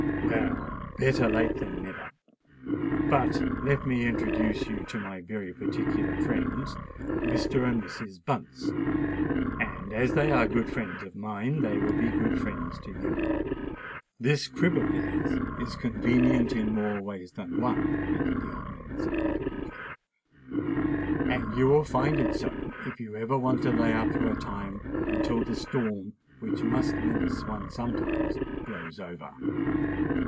"Well, better late than never. But let me introduce you to my very particular friends Mr. and Mrs. Bunce; and as they are good friends of mine, they will be good friends to you. This crib of theirs is convenient in more ways than one," added the old man significantly; "and you will find it so if you ever want to lay up for a time until the storm which must menace one sometimes, blows over."